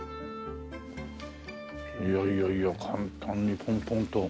いやいやいや簡単にポンポンと。